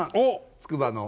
つくばの。